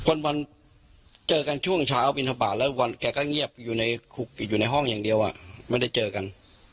วันเจอกันช่วงเช้าบินทบาทแล้ววันแกก็เงียบอยู่ในคุกอยู่ในห้องอย่างเดียวไม่ได้เจอกัน